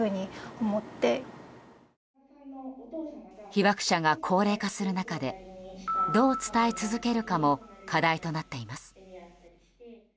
被爆者が高齢化する中でどう伝え続けるかも課題となっています。